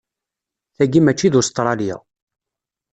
Tagi mačči d Ustṛalya.